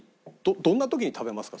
どんな時に食べますか？